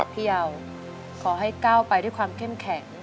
พี่เอาขอให้ก้าวไปด้วยความเข้มแข็ง